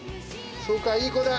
そうかいい子だ！